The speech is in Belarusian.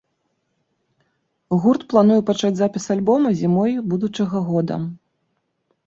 Гурт плануе пачаць запіс альбома зімой будучага года.